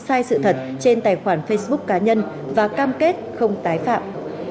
sai sự thật trên tài khoản facebook cá nhân và cam kết không tái phạm